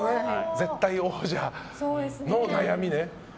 絶対王者の悩みね。